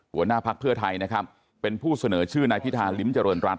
หัวหน้าพักเพื่อไทยนะครับเป็นผู้เสนอชื่อนายพิธาริมเจริญรัฐ